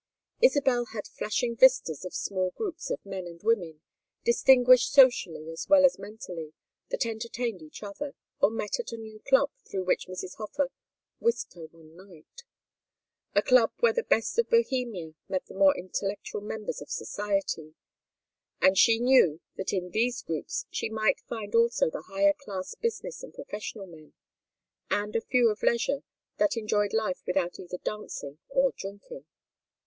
Isabel had flashing vistas of small groups of men and women, distinguished socially as well as mentally, that entertained each other, or met at a new club through which Mrs. Hofer whisked her one night, a club where the best of Bohemia met the more intellectual members of society; and she knew that in these groups she might find also the higher class business and professional men, and a few of leisure that enjoyed life without either dancing or drinking.